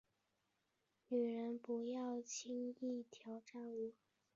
女人，不要轻易挑战我